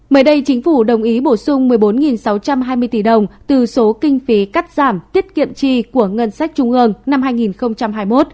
mới đây chính phủ đồng ý bổ sung một mươi bốn sáu trăm hai mươi tỷ đồng từ số kinh phí cắt giảm tiết kiệm chi của ngân sách trung ương năm hai nghìn hai mươi một